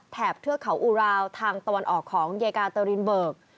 เทือกเขาอุราวทางตะวันออกของเยกาเตอรินเบิก